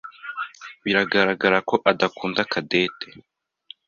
Biragaragara ko adakunda Cadette.